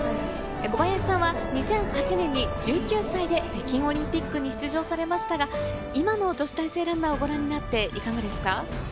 小林さんは２００８年に１９歳で北京オリンピックに出場しましたが、今の女子大生ランナーを見ていかがですか？